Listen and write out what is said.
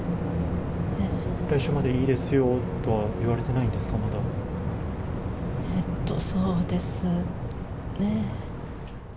来週までいいですよとは言われてないんですか、えっと、そうですねぇ。